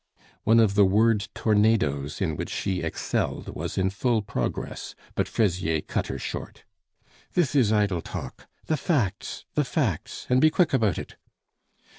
One of the word tornadoes in which she excelled was in full progress, but Fraisier cut her short. "This is idle talk. The facts, the facts! and be quick about it."